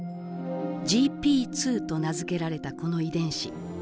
「ＧＰ２」と名付けられたこの遺伝子。